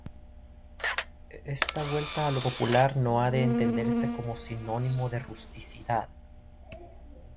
Esta vuelta a lo popular no ha de entenderse como sinónimo de rusticidad.